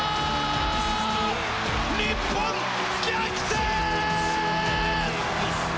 日本逆転！